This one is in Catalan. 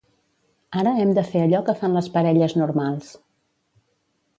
Ara hem de fer allò que fan les parelles normals.